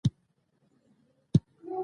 اسلامي نومونه ډیر خوښیږي.